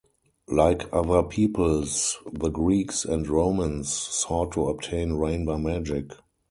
Like other peoples, the Greeks and Romans sought to obtain rain by magic.